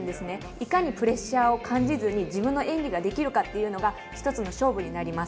いかにプレッシャーを感じずに自分の演技ができるかというのが１つの勝負になります。